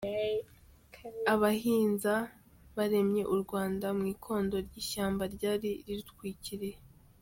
Abahinza baremye u Rwanda mu ikonda ry’ishyamba ryari rirutwikiriye.